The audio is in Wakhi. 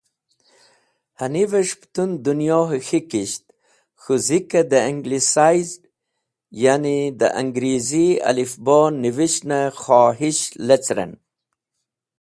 Hanives̃h putun Dunyohe K̃hikisht k̃hu Zike de Anglicised yani de Angrizi Alif-Bo nivishne khohish lecẽren.